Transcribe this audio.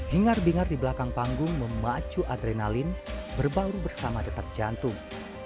hingar bingar di belakang panggung memacu adrenalin berbaur bersama detak jantung